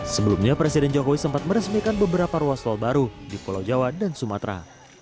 sebelumnya presiden jokowi sempat meresmikan beberapa ruas tol baru di pulau jawa dan sumatera